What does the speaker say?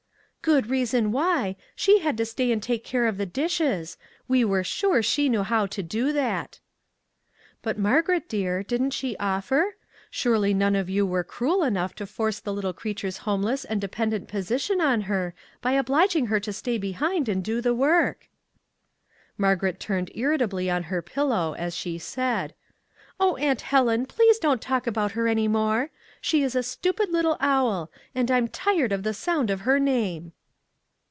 " Good reason why; she had to stay and take 252 A HARD LESSON care of the dishes ; we were sure she knew how to do that." " But, Margaret dear, didn't she offer ? Surely none of you were cruel enough to force the little creature's homeless and dependent po sition on her by obliging her to stay behind and do the work !" Margaret turned irritably on her pillow as she said :" O Aunt Helen, please don't talk about her any more. She is a stupid little owl, and I'm tired of the sound of her name."